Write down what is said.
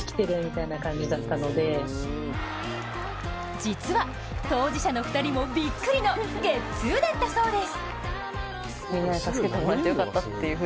実は、当事者の２人もびっくりのゲッツーだったそうです。